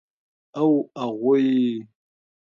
او اغوئ.